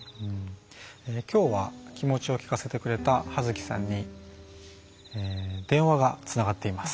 今日は気持ちを聞かせてくれた葉月さんに電話がつながっています。